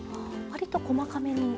わりと細かめに。